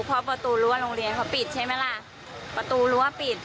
เพราะประตูรั้วโรงเรียนเขาปิดใช่ไหมล่ะประตูรั้วปิด